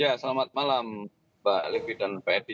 ya selamat malam mbak levi dan pak edi